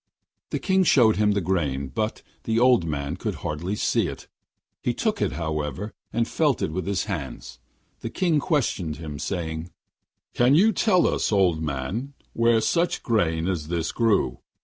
The King showed him the grain, but the old man could hardly see it; he took it, however, and felt it with his hands. The King questioned him, saying: 'Can you tell us, old man, where such grain as this grew?